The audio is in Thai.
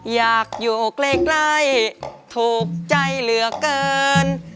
อยากอยู่ใกล้ถูกใจเหลือเกิน